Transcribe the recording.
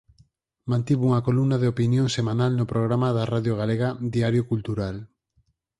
Mantivo unha columna de opinión semanal no programa da Radio Galega "Diario Cultural".